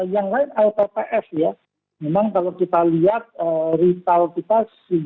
yang lain lpp dua ribu tiga memang kalau kita lihat rital kita